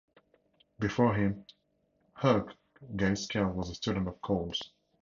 Before him, Hugh Gaitskell was a student of Cole's.